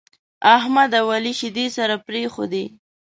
احمد او عالي شيدې سره پرېښودې.